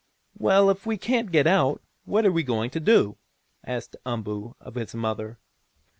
"Well, if we can't get out, what are we going to do?" asked Umboo of his mother.